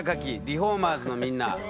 リフォーマーズのみんな。